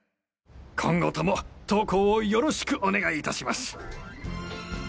今後とも当行をよろしくお願いいたします。